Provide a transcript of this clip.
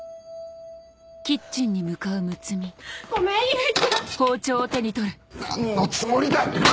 ごめん唯ちゃん！何のつもりだ！